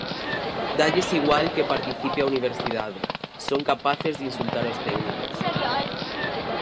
Dálles igual que participe a universidade, son capaces de insultar os técnicos.